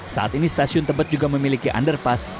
saat ini stasiun tebet juga memiliki underpass